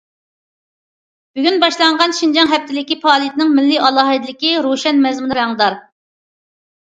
بۈگۈن باشلانغان شىنجاڭ ھەپتىلىكى پائالىيىتىنىڭ مىللىي ئالاھىدىلىكى روشەن، مەزمۇنى رەڭدار.